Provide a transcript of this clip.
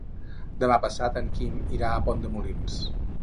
Demà passat en Quim irà a Pont de Molins.